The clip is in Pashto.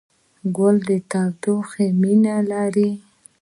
ګل د تودوخې مینه لري.